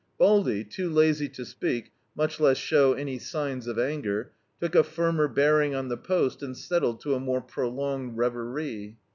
Baldy, too lazy to speak, much less show any signs of anger, took a fimier bearing on the post and settled to a more prolonged reverie.